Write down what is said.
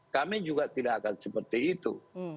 kami juga tidak akan seperti itu